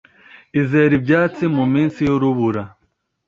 izere ibyatsi muminsi yurubura